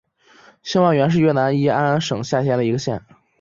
兴元县是越南乂安省下辖的一个县。